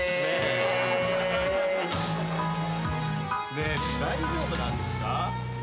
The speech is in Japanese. ねえ大丈夫なんですか？